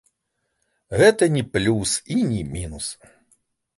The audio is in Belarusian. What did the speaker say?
Гэта не плюс і не мінус.